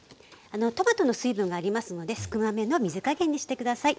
トマトの水分がありますので少なめの水加減にして下さい。